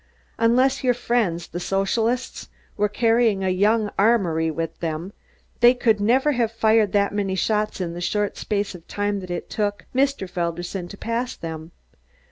Unless your friends, the Socialists, were carrying a young armory with them, they could never have fired that many shots in the short space of time that it took Mr. Felderson to pass them.